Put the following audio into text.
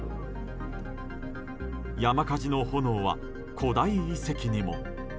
山火事の炎は古代遺跡にも。